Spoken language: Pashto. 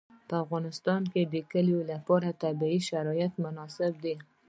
په افغانستان کې د کلي لپاره طبیعي شرایط مناسب دي.